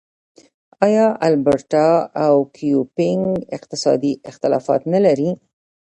آیا البرټا او کیوبیک اقتصادي اختلافات نلري؟